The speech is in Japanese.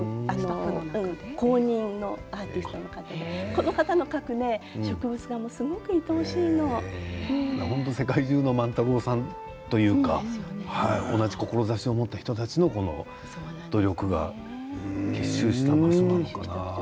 公認のアーティストの方この方の描く植物画も世界中の万太郎さんというか同じ志を持った人たちの努力が結集した場所なのかな。